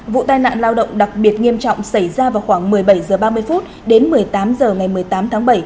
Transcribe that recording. vụ tai nạn lao động đặc biệt nghiêm trọng xảy ra vào khoảng một mươi bảy h ba mươi đến một mươi tám h ngày một mươi tám tháng bảy